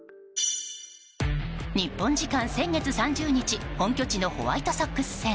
日本時間先月３０日本拠地のホワイトソックス戦。